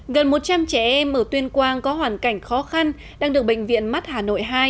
gần một trăm linh trẻ em ở tuyên quang có hoàn cảnh khó khăn đang được bệnh viện mắt hà nội hai